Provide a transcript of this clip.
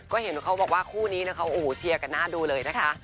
เค้าบอกเขาบอกว่าคู่นี้เชียร์กันหน้าดูเลยนะคะ